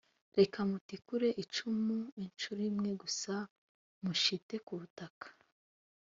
reka mutikure icumu incuro imwe gusa mushite ku butaka